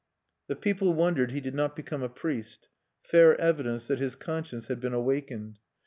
The people wondered he did not become a priest, fair evidence that his conscience had been awakened.